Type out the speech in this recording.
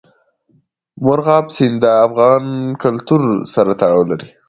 مورغاب سیند د افغان کلتور سره تړاو لري.